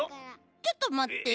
ちょっとまって。